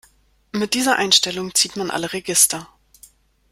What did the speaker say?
Mit dieser Einstellung zieht man alle Register.